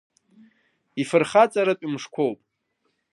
Ифырхаҵаратә мшқәоуп.